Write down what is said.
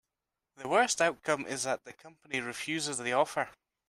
The worst outcome is that the company refuses the offer.